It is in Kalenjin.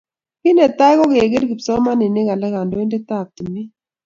Kinetai kokere kipsomaninik alak kandoindet ab tumin